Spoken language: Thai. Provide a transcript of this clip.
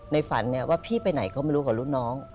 ในฝันพี่ไปไหนก็ไม่รู้กับรุ่นน้อง